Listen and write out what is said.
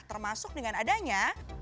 termasuk dengan adanya